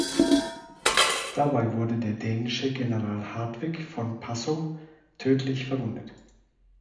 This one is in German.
Dabei wurde der dänische General Hartwig von Passow tödlich verwundet.